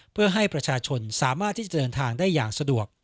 เพื่อให้ประชาชนสามารถที่จะเดินทางได้อย่างสะดวก